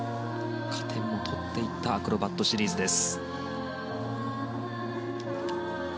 加点も取っていったアクロバットシリーズです。